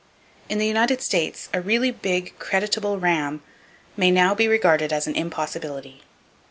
In the United States a really big, creditable ram may now be regarded as an impossibility.